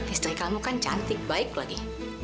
istri kamu kan cantik baik lagi